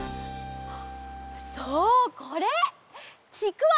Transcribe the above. そうこれ！ちくわ！